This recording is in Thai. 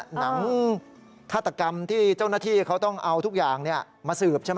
หนังฆาตกรรมที่เจ้าหน้าที่เขาต้องเอาทุกอย่างมาสืบใช่ไหม